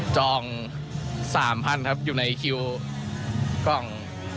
จอง๓๐๐๐ครับอยู่ในคิวกล่อง